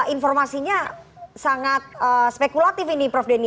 informasinya sangat spekulatif ini prof denny